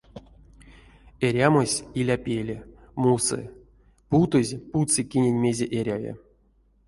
Эрямось, иля пеле, мусы, путозь путсы кинень мезе эряви.